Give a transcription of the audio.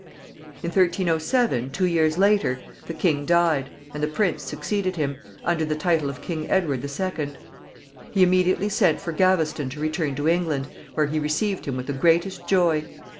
In 1307, two years later, the king died, and the prince succeeded him, under the title of King Edward the Second. He immediately sent for Gaveston to return to England, where he received him with the greatest joy.